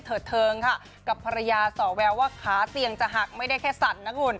เทิงค่ะกับภรรยาสอแววว่าขาเตียงจะหักไม่ได้แค่สั่นนะคุณ